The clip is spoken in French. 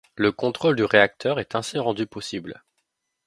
Le contrôle du réacteur est ainsi rendu possible.